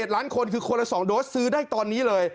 ล้านคนคือคนละ๒โดสซื้อได้ตอนนี้เลย